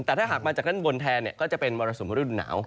แต่ถ้าหากมาจากด้านบนแทนก็จะเป็นมรสุมรุ่นหนาว